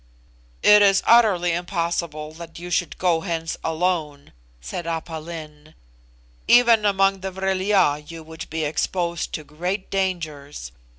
"It is utterly impossible that you should go hence alone," said Aph Lin. "Even among the Vril ya you would be exposed to great dangers.